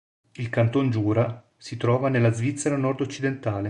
Il Canton Giura si trova nella Svizzera nord-occidentale.